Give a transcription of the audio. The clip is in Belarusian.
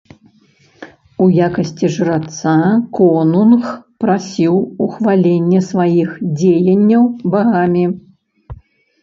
У якасці жраца, конунг прасіў ухвалення сваіх дзеянняў багамі.